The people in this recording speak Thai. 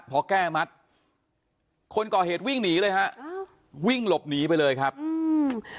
พอแก้มัดคนก่อเหตุวิ่งหนีเลยฮะอ่าวิ่งหลบหนีไปเลยครับอืม